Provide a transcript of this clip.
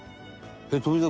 富澤